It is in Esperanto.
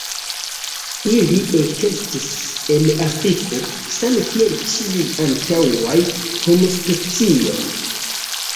Ili ekestis en Afriko, same kiel ĉiuj antaŭaj homospecioj.